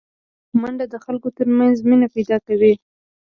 منډه د خلکو ترمنځ مینه پیداکوي